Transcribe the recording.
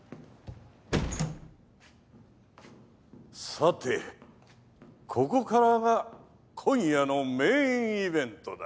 さてここからが今夜のメインイベントだ。